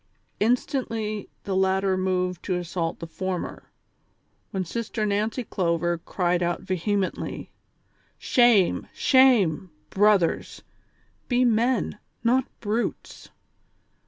" Instantly the latter moved to assault the former, when Sister Xancy Clover cried out vehemently :" Shame ! shame ! brothers ; be men, not brutes